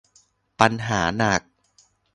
ปัญหาหนัก